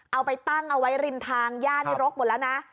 เอาไปตั้งเอาไว้ลินทางย่านยศโรคหมดละนะ